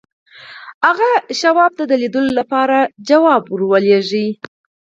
هغه شواب ته د لیدلو لپاره ځواب ولېږه